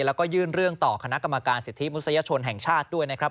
แล้วก็ยื่นเรื่องต่อคณะกรรมการสิทธิมนุษยชนแห่งชาติด้วยนะครับ